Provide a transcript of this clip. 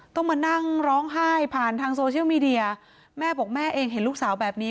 ต้องมานั่งร้องไห้ผ่านทางโซเชียลมีเดียแม่บอกแม่เองเห็นลูกสาวแบบนี้